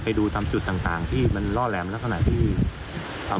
ไปดูตามจุดต่างต่างที่มันล่อแหลมลักษณะที่อ่า